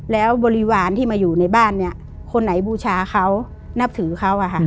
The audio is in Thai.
แล้วบริวารที่มาอยู่ในบ้านเนี่ยคนไหนบูชาเขานับถือเขา